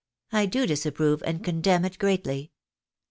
I do disapprove and condemn it greatly."